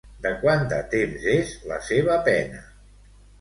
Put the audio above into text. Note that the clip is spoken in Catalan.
De quant de temps és la seva pena?